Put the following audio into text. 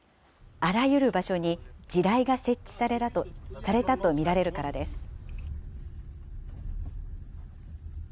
あらゆる場所に地雷が設置されたと見られるからです。